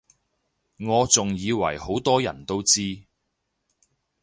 我仲以爲好多人都知